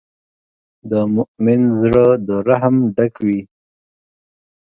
د مؤمن زړۀ د رحم ډک وي.